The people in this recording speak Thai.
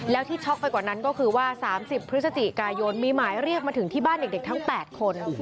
แล้วที่ช็อกไปกว่านั้นก็คือว่า๓๐พฤศจิกายนมีหมายเรียกมาถึงที่บ้านเด็กทั้ง๘คน